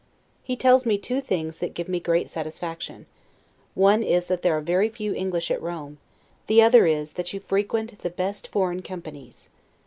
He tells me two things that give me great satisfaction: one is that there are very few English at Rome; the other is, that you frequent the best foreign companies.